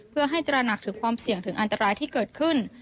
เพื่อให้ตระหนักถึงความเสี่ยงถึงอันตรายที่เกิดขึ้น